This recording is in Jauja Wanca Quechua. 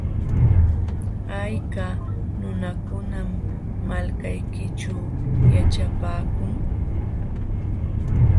¿Hayka nunakunam malkaykićhu yaćhapaakun?